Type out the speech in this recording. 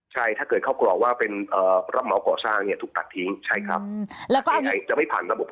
ใช่ถ้าเกิดเขากรอกว่าเป็นรับเหมาะก่อสร้างเนี่ยถูกตัดทิ้งใช่ครับ